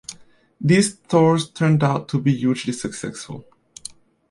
These tours "turned out to be hugely successful".